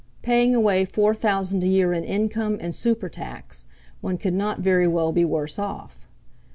Paying away four thousand a year in income and super tax, one could not very well be worse off!